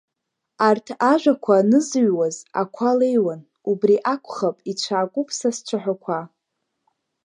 Арҭ ажәақәа анызыҩуаз ақәа леиуан, убри акәхап, ицәаакуп са сцәаҳәақәа.